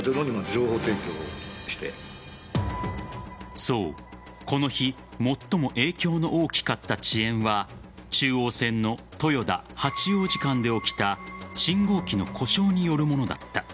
そう、この日最も影響の大きかった遅延は中央線の豊田八王子間で起きた信号機の故障によるものだった。